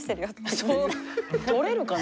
そうとれるかな？